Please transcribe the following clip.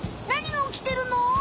何がおきてるの？